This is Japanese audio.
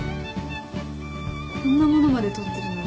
こんなものまで取ってるなんて